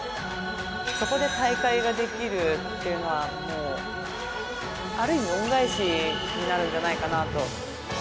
そこで大会ができるというのはもう、ある意味恩返しになるんじゃないかなと。